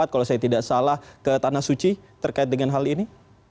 kalau saya tidak salah ke tanah suci terkait dengan hal ini